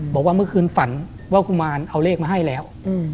บอกว่าเมื่อคืนฝันว่ากุมารเอาเลขมาให้แล้ว